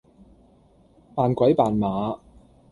扮鬼扮馬